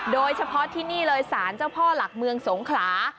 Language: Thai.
โดยเฉพาะที่นี่เลยสารเจ้าพ่อหลักเมืองสงขลา